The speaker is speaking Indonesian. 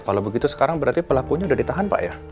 kalau begitu sekarang berarti pelakunya sudah ditahan pak ya